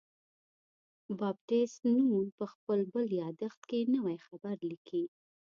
بابټیست نون په خپل بل یادښت کې نوی خبر لیکي.